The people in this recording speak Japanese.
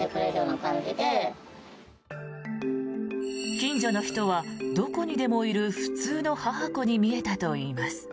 近所の人はどこにでもいる普通の母子に見えたといいます。